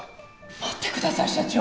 待ってください社長。